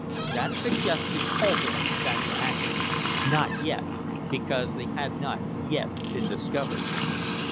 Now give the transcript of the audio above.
That suggestion called him back to action. Not yet because they had not yet been discovered.